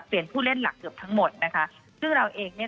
ผู้เล่นหลักเกือบทั้งหมดนะคะซึ่งเราเองเนี่ย